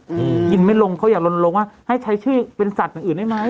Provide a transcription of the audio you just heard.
อืมกินไม่ลงเขาอย่าลนลงว่าให้ใช้ชื่อเป็นสัตว์อย่างอื่นได้ไหม